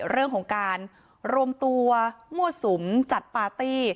เรื่องของการรวมตัวมั่วสุมจัดปาร์ตี้